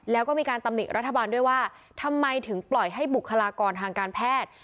แล้วก็มีการตำหนิรัฐบาลด้วยว่าทำไมถึงปล่อยให้บุคลากรทางการแพทย์